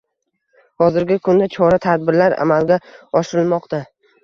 Hozirgi kunda chora-tadbirlar amalga oshirilmoqda.